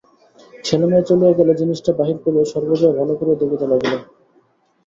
ছেলেমেয়ে চলিয়া গেলে জিনিসটা বাহির করিয়া সর্বজয়া ভালো করিয়া দেখিতে লাগিল।